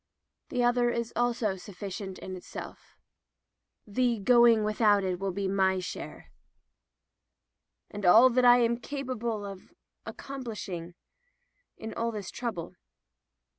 The other is also sufficient in itself. The going without it will be my share — ^and all that Fm capable of accomplishing — in this trouble."